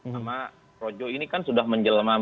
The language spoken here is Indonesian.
sama projo ini kan sudah menjelma